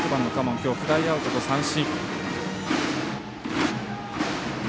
今日はフライアウトと三振。